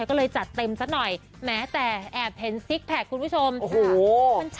ก็เลยจัดเต็มซะหน่อยแม้แต่แอบเห็นซิกแพคคุณผู้ชมโอ้โห